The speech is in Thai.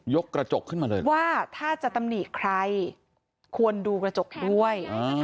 กระจกขึ้นมาเลยว่าถ้าจะตำหนิใครควรดูกระจกด้วย